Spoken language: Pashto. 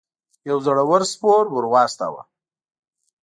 یو زړه ور سپور ور واستاوه.